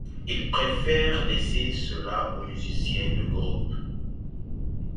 Ils préfèrent laisser cela aux musiciens de groupe.